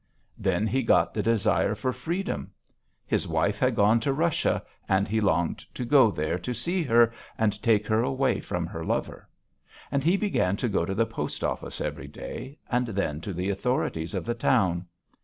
Then he got the desire for freedom. His wife had gone to Russia and he longed to go there to see her and take her away from her lover. And he began to go to the post office every day, and then to the authorities of the town.